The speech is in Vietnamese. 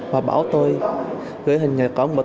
và bảo tôi gửi hình ảnh nhà cỏ của cô ấy cho tôi